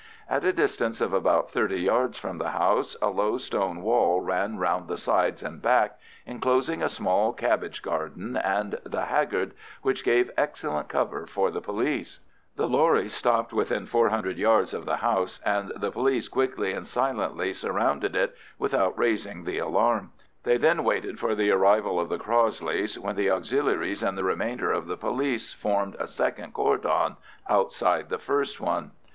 At a distance of about thirty yards from the house a low stone wall ran round the sides and back, enclosing a small cabbage garden and the haggard, which gave excellent cover for the police. The lorries stopped within 400 yards of the house, and the police quickly and silently surrounded it without raising the alarm. They then waited for the arrival of the Crossleys, when the Auxiliaries and the remainder of the police formed a second cordon outside the first one.